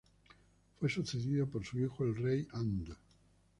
Fue sucedido por su hijo, el Rey An.